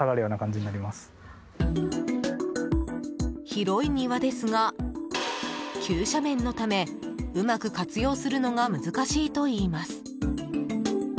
広い庭ですが急斜面のためうまく活用するのが難しいといいます。